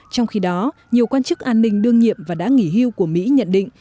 trong khi đó nhiều quan chức an ninh đương nhiệm và đã nghỉ hưu của mỹ nhận định